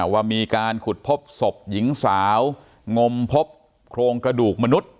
ว่ามีการขุดพบศพหญิงสาวงมพบโครงกระดูกมนุษย์